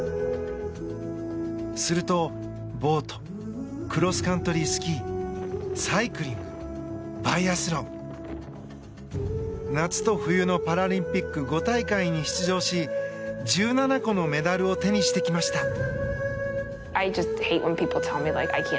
すると、ボートクロスカントリースキーサイクリング、バイアスロン夏と冬のパラリンピック５大会に出場し１７個のメダルを手にしてきました。